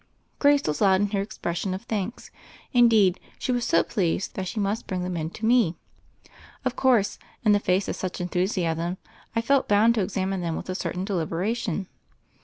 Grace was loud in her expressions of thanks ; indeed, she was so pleased that she must bring them in to me. Of course, in the face of such enthusiasm, I felt bound to examine them with a certain deliberation.